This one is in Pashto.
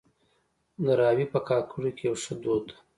دراوۍ په کاکړو کې يو ښه دود وه.